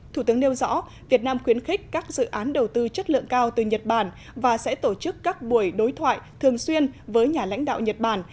thủ tướng nêu rõ việt nam khuyến khích các dự án đầu tư chất lượng cao từ nhật bản và sẽ tổ chức các buổi đối thoại thường xuyên với nhà lãnh đạo nhật bản